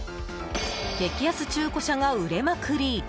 激安中古車が売れまくり。